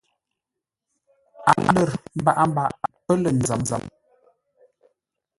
A lər mbaʼa-mbaʼ pə́ lə̂ nzə̌m.